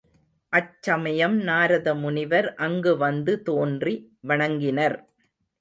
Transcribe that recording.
அச்சமயம், நாரத முனிவர் அங்கு வந்து தோன்றி வணங்கினர்.